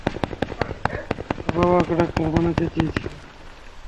ওর বাবা ওকে ডাক্তার বানাতে চেয়েছিলো।